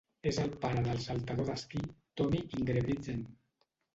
És el pare del saltador d'esquí Tommy Ingebrigtsen.